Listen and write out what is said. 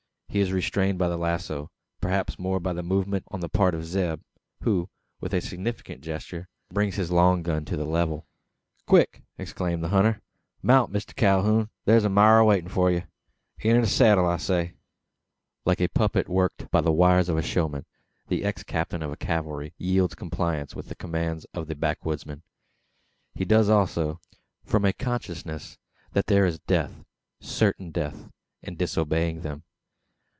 He is restrained by the lazo; perhaps more by a movement on the part of Zeb; who, with a significant gesture, brings his long gun to the level. "Quick!" exclaims the hunter. "Mount, Mister Calhoun! Thur's the maar awaitin' for ye. Inter the seddle, I say!" Like a puppet worked by the wires of the showman, the ex captain of cavalry yields compliance with the commands of the backwoodsman. He does so, from a consciousness that there is death certain death in disobeying them.